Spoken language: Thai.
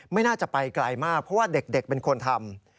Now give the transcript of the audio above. ไม่น่าจะไปไกลมากเพราะว่าเด็กเป็นคนทำ